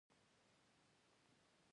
دې قبیلې په کال نولس سوه پېنځه دېرش کې.